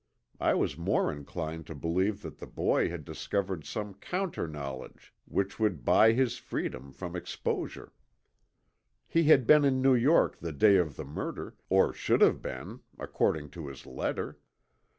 I was more inclined to believe that the boy had discovered some counter knowledge which would buy his freedom from exposure. He had been in New York the day of the murder, or should have been, according to his letter.